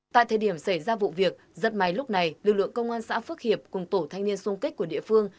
tại thời điểm xảy ra vụ việc rất may lúc này lực lượng công an xã phước hiệp cùng tổ thanh niên sung kích của địa phương